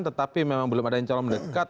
tetapi memang belum ada yang menekat